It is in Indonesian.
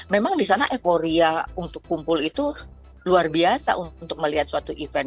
memang di sana euforia untuk kumpul itu luar biasa untuk melihat suatu event